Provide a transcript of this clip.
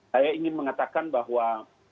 saya ingin mengatakan bahwa